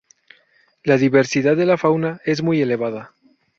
La diversidad de la fauna es muy elevada.